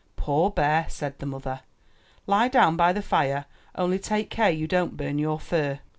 "Poor bear," said the mother, "lie down by the fire; only take care you don't burn your fur."